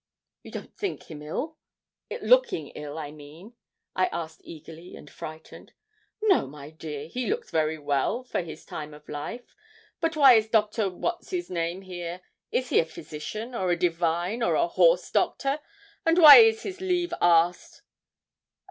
You don't think him ill looking ill, I mean?' I asked eagerly and frightened. 'No, my dear, he looks very well for his time of life; but why is Doctor What's his name here? Is he a physician, or a divine, or a horse doctor? and why is his leave asked?'